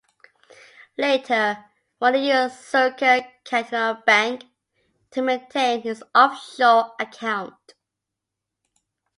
Later, Warner used Zurcher Kantonalbank to maintain his offshore account.